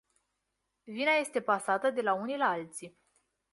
Vina este pasată de la unii la alții.